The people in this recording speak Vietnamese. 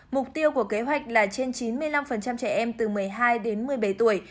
mục tiêu của kế hoạch là trên chín mươi năm trẻ em từ một mươi hai đến một mươi bảy tuổi